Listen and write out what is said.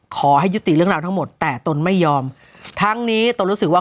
ขอให้ยุติเรื่องราวทั้งหมดแต่ตนไม่ยอมทั้งนี้ตนรู้สึกว่า